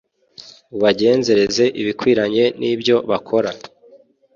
ubagenzereze ibikwiranye n’ibyo bakora